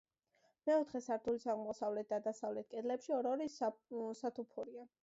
მეოთხე სართულის აღმოსავლეთ და დასავლეთ კედლებში ორ-ორი სათოფურია.